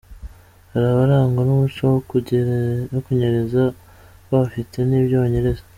Hari abarangwa n’umuco wo kunyereza, bo bafite n’ibyo banyereza.